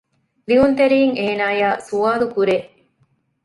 ލިޔުންތެރީން އޭނާއާ ސުވާލުކުރޭ